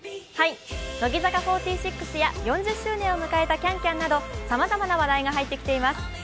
乃木坂４６や４０周年を迎えた「ＣａｎＣａｍ」などさまざまな話題が入ってきています。